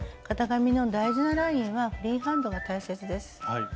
型紙の大事なラインはフリーハンドが大切です。